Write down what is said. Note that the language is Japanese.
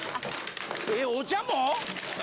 ええお茶も！？